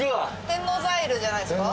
天王洲アイルじゃないですか？